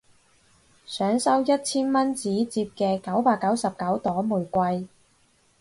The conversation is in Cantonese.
想收一千蚊紙摺嘅九百九十九朵玫瑰